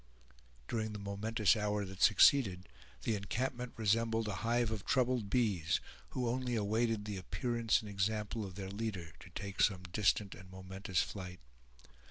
During the momentous hour that succeeded, the encampment resembled a hive of troubled bees, who only awaited the appearance and example of their leader to take some distant and momentous flight.